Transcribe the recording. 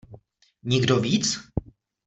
Nikdo víc?